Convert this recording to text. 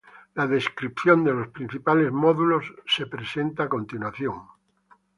La descripción de los principales módulos es presentada a continuación.